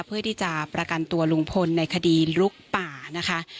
เพื่อที่จะประกันตัวลุงพลในคดีลุกป่านะคะ